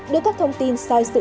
đưa các thông tin sai sự